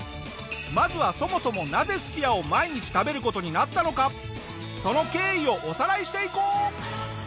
まずはそもそもなぜすき家を毎日食べる事になったのかその経緯をおさらいしていこう！